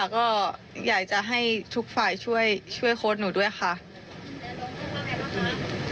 ประเทศไทยอยากให้ทุกฝ่ายช่วยโค้ดหนูด้วยค่ะ